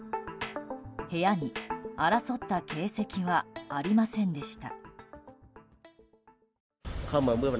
部屋に争った形跡はありませんでした。